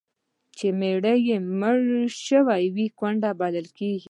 چي میړه یې مړ سوی وي، کونډه بلل کیږي.